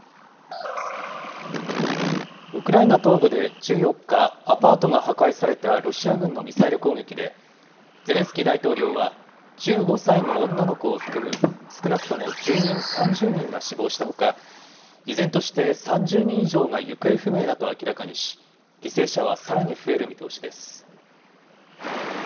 ウクライナ東部で１４日、アパートが破壊されたロシア軍のミサイル攻撃で、ゼレンスキー大統領は、１５歳の女の子を含む少なくとも住民３０人が死亡したほか、依然として３０人以上が行方不明だと明らかにし、犠牲者はさらに増える見通しです。